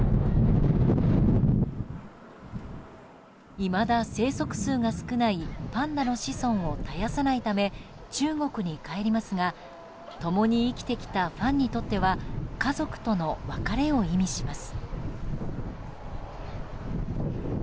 いまだ生息数が少ないパンダの子孫を絶やさないため中国に帰りますが共に生きてきたファンにとっては家族との別れを意味します。